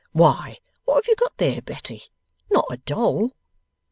Why, what have you got there, Betty? Not a doll?